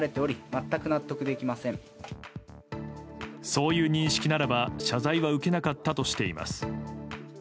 そういう認識ならば謝罪は受けなかったとしています。